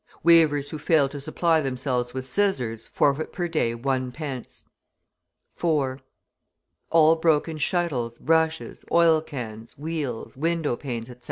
Weavers who fail to supply themselves with scissors forfeit, per day, 1d. 4. All broken shuttles, brushes, oil cans, wheels, window panes, etc.